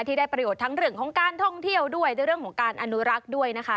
ที่ได้ประโยชน์ทั้งเรื่องของการท่องเที่ยวด้วยในเรื่องของการอนุรักษ์ด้วยนะคะ